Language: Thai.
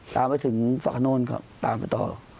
ตามไปถึงฝั่งโน้นก็ตามไปต่อ